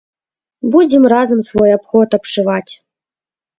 Будзем разам свой абход абшываць.